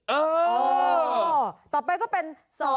เออต่อไปก็เป็น๒๕๖